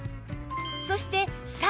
そして鮭。